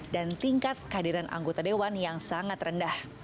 dan tingkat kehadiran anggota dewan yang sangat rendah